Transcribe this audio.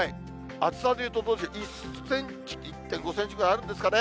厚さでいうと１センチ、１．５センチぐらいあるんですかね。